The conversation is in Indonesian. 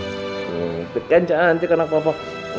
tepuk kan cantik anak papa